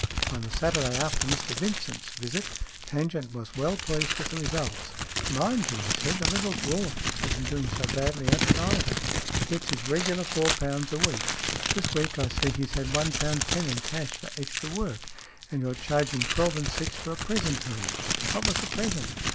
On the Saturday after Mr Vincent's visit, Tangent was well pleased with the results. "Mind you," he said, "the little dwarf isn't doing so badly out of it either. He gets his regular four pounds a week. This week I see he's had one pound ten in cash for extra work, and you're charging twelve and six for a present to him. What was the present